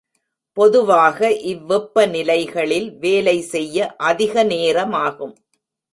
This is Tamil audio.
பொதுவாக இவ்வெப்ப நிலைகளில் வேலை செய்ய அதிக நேரமாகும்.